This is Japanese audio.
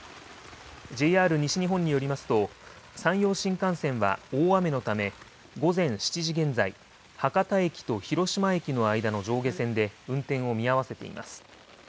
ＪＲ西日本によりますと、山陽新幹線は大雨のため、午前７時現在、博多駅と広島駅の間の上下線で運転を見合わせています。